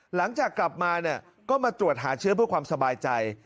หลังจากกลับมาเนี่ยก็มาตรวจหาเชื้อเพื่อความสบายใจ